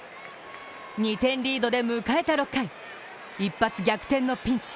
２点リードで迎えた６回一発逆転のピンチ。